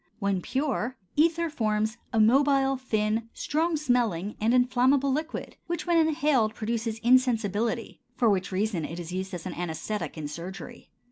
When pure, ether forms a mobile, thin, strong smelling, and inflammable liquid which when inhaled produces insensibility, for which reason it is used as an anæsthetic in surgery.